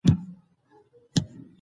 سیلانیان په هر ګام کې عکس اخلي.